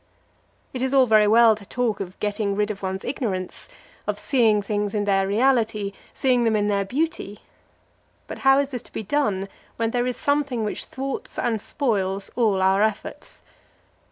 It is all very well to talk of getting rid of one's ignorance, of seeing things in their reality, seeing them in their beauty; but how is this to be done when there is something which thwarts and spoils all our efforts?